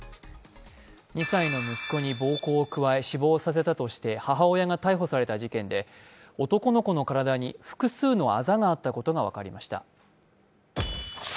２歳の息子に暴行を加え死亡させたとして母親が逮捕された事件で、男の子の体に複数のあざがあったことが分かりました。